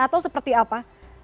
atau seperti apa